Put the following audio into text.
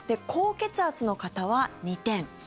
高血圧の方は２点。